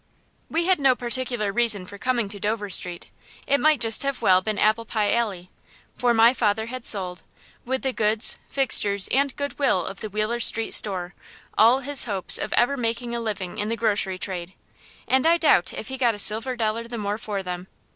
We had no particular reason for coming to Dover Street. It might just as well have been Applepie Alley. For my father had sold, with the goods, fixtures, and good will of the Wheeler Street store, all his hopes of ever making a living in the grocery trade; and I doubt if he got a silver dollar the more for them.